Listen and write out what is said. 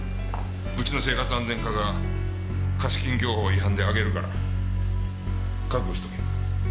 うちの生活安全課が貸金業法違反で挙げるから覚悟しとけよ。